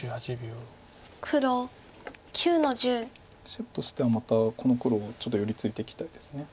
白としてはまたこの黒ちょっと寄り付いていきたいです。